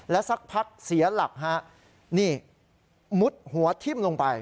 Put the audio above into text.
และสักพักเสียหลักมุดหัวทิ่มลงไป